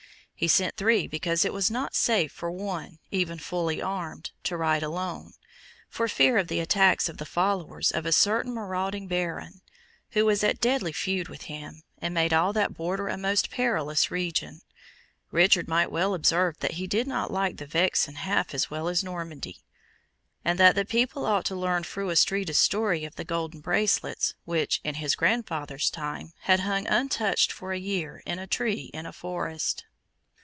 He sent three, because it was not safe for one, even fully armed, to ride alone, for fear of the attacks of the followers of a certain marauding Baron, who was at deadly feud with him, and made all that border a most perilous region. Richard might well observe that he did not like the Vexin half as well as Normandy, and that the people ought to learn Fru Astrida's story of the golden bracelets, which, in his grandfather's time, had hung untouched for a year, in a tree in a forest.